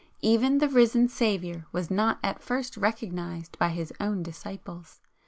Even the risen Saviour was not at first recognised by His own disciples.